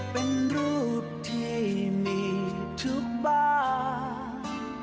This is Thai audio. เป็นรูปที่มีทุกบ้าน